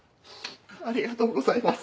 ありがとうございます。